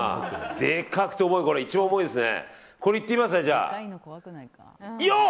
でかくて一番重いですね。